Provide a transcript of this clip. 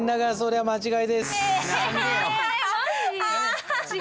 はい。